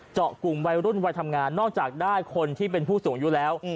เจาะกลุ่มวัยรุ่นวัยทำงานนอกจากได้คนที่เป็นผู้สูงอายุแล้ว